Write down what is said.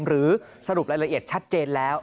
หรือสรุปรายละเอียดชัดเจนแล้ว